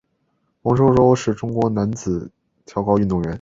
王舟舟是中国男子跳高运动员。